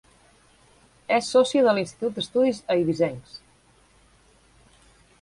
És sòcia de l'Institut d'Estudis Eivissencs.